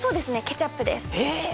ケチャップですへえ